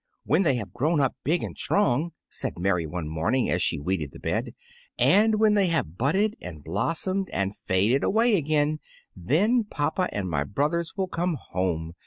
"When they have grown up big and strong," said Mary one morning, as she weeded the bed, "and when they have budded and blossomed and faded away again, then papa and my brothers will come home.